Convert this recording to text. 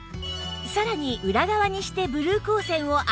さらに裏側にしてブルー光線を当てても